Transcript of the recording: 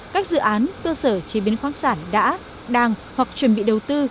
các dự án cơ sở chế biến khoáng sản đã đang hoặc chuẩn bị đầu tư